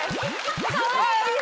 かわいい！